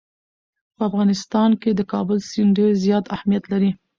په افغانستان کې د کابل سیند ډېر زیات اهمیت لري.